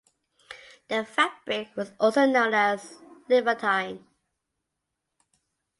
The fabric was also known as "Levantine".